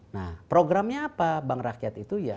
nah programnya apa bank rakyat itu ya